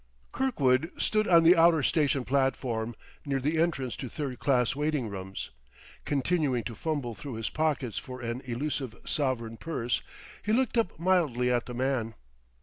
Kirkwood stood on the outer station platform, near the entrance to third class waiting rooms. Continuing to fumble through his pockets for an elusive sovereign purse, he looked up mildly at the man.